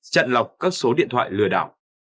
chặn lọc các số điện thoại lừa đảo